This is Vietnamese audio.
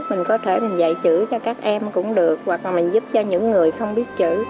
mình có thể mình dạy chữ cho các em cũng được hoặc là mình giúp cho những người không biết chữ